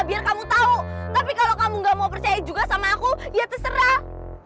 biar kamu tahu tapi kalau kamu gak mau percaya juga sama aku ya terserah